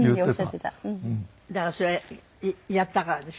だからそれやったからでしょ？